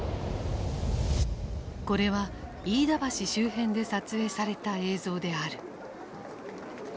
これは飯田橋周辺で撮影された映像である。